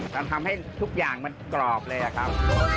มันทำให้ทุกอย่างมันกรอบเลยอะครับ